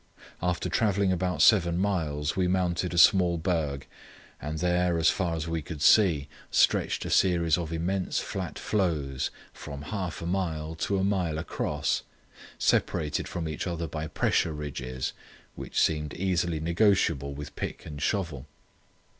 After travelling about seven miles we mounted a small berg, and there as far as we could see stretched a series of immense flat floes from half a mile to a mile across, separated from each other by pressure ridges which seemed easily negotiable with pick and shovel.